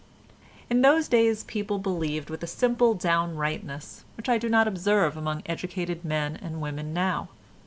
In those days people believed with a simple downrightness which I do not observe among educated men and women now.